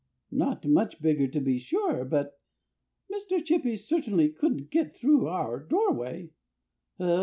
Not much bigger, to be sure. But Mr. Chippy certainly couldn't get through our doorway."